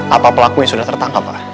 apa pelaku yang sudah tertangkap pak